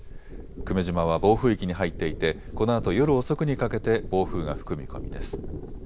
久米島は暴風域に入っていてこのあと夜遅くにかけて暴風が吹く見込みです。